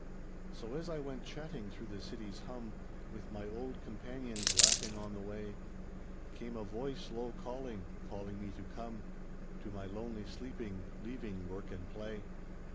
So as I went chatting through the city's hum. With my old companions laughing on the way, Came a voice low calling, calling me to come To my lonely sleeping, leaving work and play.